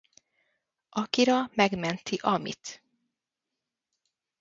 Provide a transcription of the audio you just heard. Akira megmenti Amit.